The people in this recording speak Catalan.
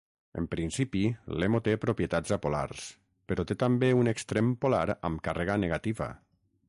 En principi l'hemo té propietats apolars, però té també un extrem polar amb càrrega negativa.